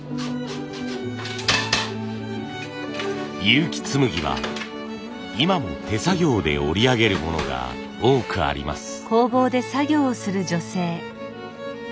結城紬は今も手作業で織り上げるものが多くあります。